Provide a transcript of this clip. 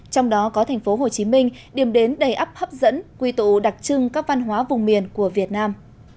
trong đó có tp hcm điểm đến đầy ấp hấp dẫn quy tụ đặc trưng các văn hóa vùng miền của việt nam